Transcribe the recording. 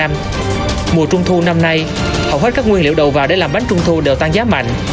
mùa trung thu năm nay hầu hết các nguyên liệu đầu vào để làm bánh trung thu đều tăng giá mạnh